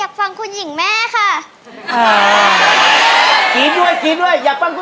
ฟังคุณหญิงแม่ค่ะ